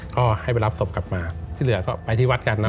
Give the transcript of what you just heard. ก็ให้ไปรับศพกลับมาที่เหลือก็ไปที่วัดกันนะ